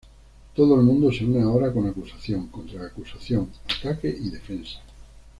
Todo el mundo se une ahora con acusación, contra acusación, ataque y defensa.